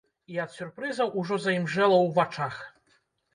І ад сюрпрызаў ужо заімжэла ў вачах.